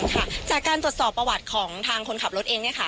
ค่ะจากการตรวจสอบประวัติของทางคนขับรถเองเนี่ยค่ะ